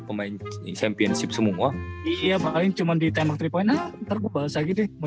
pemain championship semua iya paling cuman ditembak tripoin ntar gua bales lagi deh mau